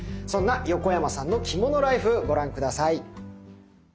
そんな横山さんの着物ライフご覧下さい。